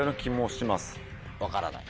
分からない。